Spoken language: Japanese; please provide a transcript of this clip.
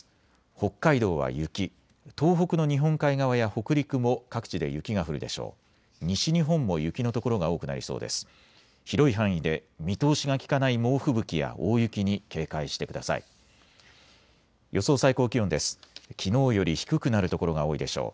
北海道は雪、東北の日本海側や北陸も各地で雪が降るでしょう。